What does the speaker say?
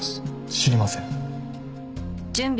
知りません。